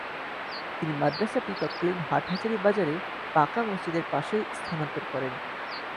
তিনি মাদ্রাসাটি তৎকালীন হাটহাজারী বাজারের পাঁকা মসজিদের পাশে স্থানান্তর করেন।